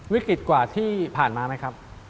วิกฤตกว่าที่ผ่านมาไหมครับ